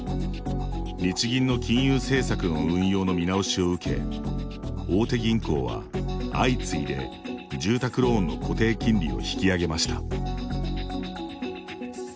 日銀の金融政策の運用の見直しを受け、大手銀行は相次いで住宅ローンの固定金利を引き上げました。